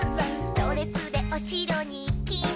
「ドレスでおしろにきてみたら」